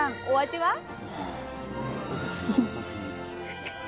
お味は？